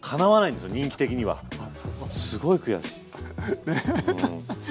すごい悔しい。